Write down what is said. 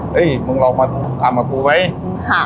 มึงลองมาทำกับกูไหม